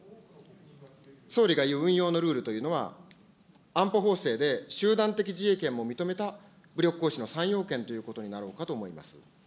総理が言う運用のルールというのは、安保法制で集団的自衛権を認めた武力行使の３要件ということになろうかと思います。